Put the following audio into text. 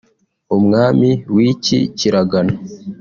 umwami w’iki kiragano